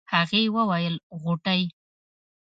هغې وويل غوټۍ.